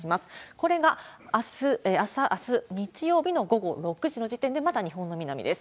これがあす日曜日の午後６時の時点で、まだ日本の南です。